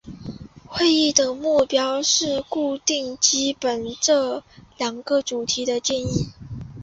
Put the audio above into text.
会议的目标是巩固基于这两个主题的建议。